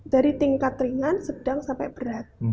dari tingkat ringan sedang sampai berat